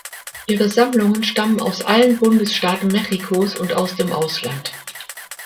Ihre Sammlungen stammen aus alle Bundesstaaten Mexikos und aus dem Ausland.